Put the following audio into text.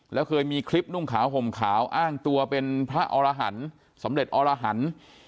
แล้วเคยมีคลิปนุ่งขาวห่มขาวอ้างตัวเป็นพระอรหันต์สำเร็จอรหันธ์